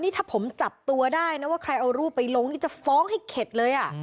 ถ้าผมจับตัวได้นะว่าใครเอารูปไปลงนี่จะฟ้องให้เข็ดเลย